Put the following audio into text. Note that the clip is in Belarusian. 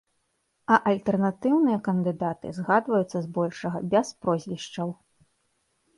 А альтэрнатыўныя кандыдаты згадваюцца збольшага без прозвішчаў.